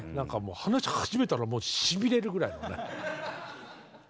話し始めたらもうしびれるぐらいのね。